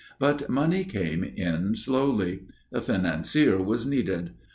But money came in slowly. A financier was needed.